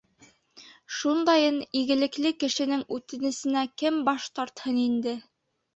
Шундайын игелекле кешенең үтенесенә кем баш тартһын инде!